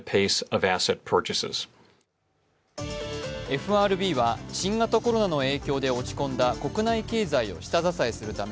ＦＲＢは新型コロナの影響で落ち込んだ国内経済を下支えするため、